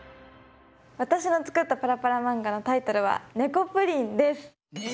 私の作ったパラパラ漫画のタイトルは「ねこぷりん」です。